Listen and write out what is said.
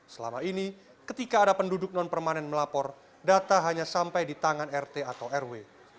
selama ini ketika ada penduduk non permanen melapor data hanya sampai di tangan rt atau rw